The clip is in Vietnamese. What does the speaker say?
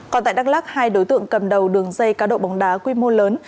còn tại đắk lắc hai đối tượng cầm đầu đường dây cá độ bóng đá quy mô lớn